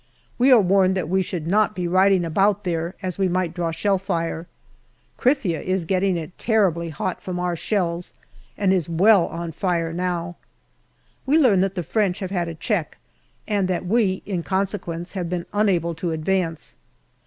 We are warned that we should not be riding about there, as we might draw shell fire. Krithia is getting it terribly hot from our shells, and is well on fire now. We learn that the French have had a check, and that we in conse quence have been unable to advance.